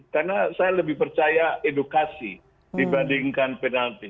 karena saya lebih percaya edukasi dibandingkan penalti